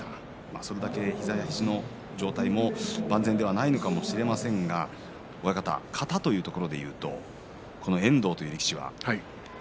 それだけ膝や肘の状態も万全ではないのかもしれませんが型というところでいうと遠藤という力士そうですね。